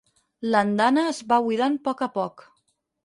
L'andana es va buidant poc a poc.